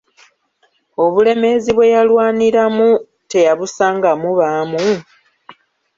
Obulemeezi bwe yalwaniramu teyabusangamu baamu?